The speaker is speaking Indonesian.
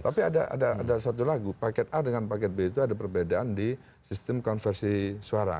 tapi ada satu lagu paket a dengan paket b itu ada perbedaan di sistem konversi suara